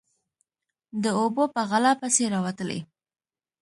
_د اوبو په غلا پسې راوتلی.